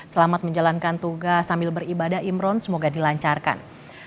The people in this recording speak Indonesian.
selamat menjalankan tugas sambil beribadah imron semoga dilancarkan